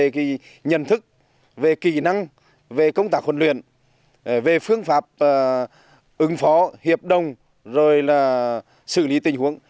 rồi là giáo dục về nhận thức về kỹ năng về công tác huấn luyện về phương pháp ứng phó hiệp đồng rồi là xử lý tình huống